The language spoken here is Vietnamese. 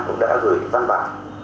cũng đã gửi văn bản